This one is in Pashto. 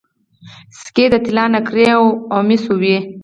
سکې د طلا نقرې او مسو وې